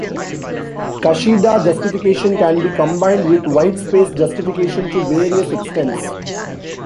Kashida justification can be combined with white-space justification to various extents.